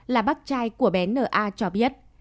là bác trai của bé n a cho biết